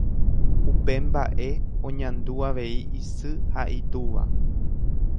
Upe mba'e oñandu avei isy ha itúva.